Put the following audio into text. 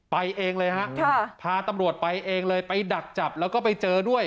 ไปเองเลยฮะพาตำรวจไปเองเลยไปดักจับแล้วก็ไปเจอด้วย